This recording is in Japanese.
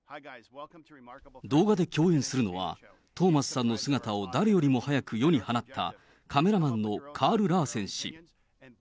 動画で共演するのは、トーマスさんの姿を誰よりも早く世に放った、カメラマンのカール・ラーセン氏。